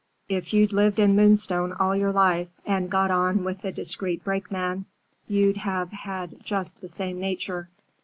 If you'd lived in Moonstone all your life and got on with the discreet brakeman, you'd have had just the same nature.